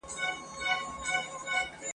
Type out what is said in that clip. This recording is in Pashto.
د پیرانو په خرقوکي شیطانان دي !.